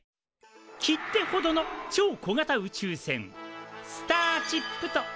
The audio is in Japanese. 切手ほどの超小型宇宙船スターチップと呼ぶんだけどね